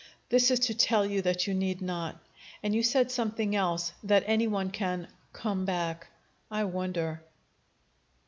This is to tell you that you need not. And you said something else that any one can 'come back.' I wonder!"